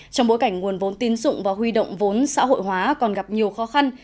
trong bối cảnh nguồn vốn tín dụng và huy động vốn xã hội hóa còn gặp nhiều khó khăn